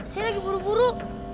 saya lagi buru buru